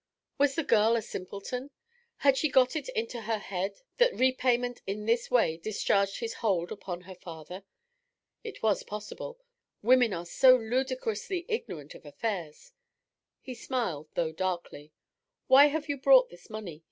Was the girl a simpleton? Had she got it into her head that repayment in this way discharged his hold upon her father? It was possible; women are so ludicrously ignorant of affairs. He smiled, though darkly. 'Why have you brought this money?'